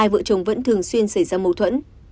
vợ chồng vẫn thường xuyên xảy ra mâu thuẫn